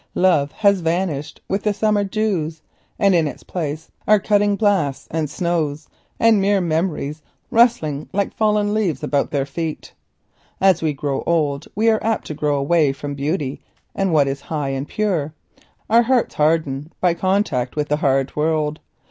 Love has vanished with the summer dews, and in its place are cutting blasts and snows and sere memories rustling like fallen leaves about the feet. As we grow old we are too apt to grow away from beauty and what is high and pure, our hearts harden by contact with the hard world.